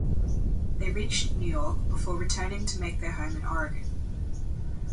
They reached New York before returning to make their home in Oregon.